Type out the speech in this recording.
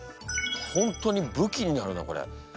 本当に武器になるなこれ。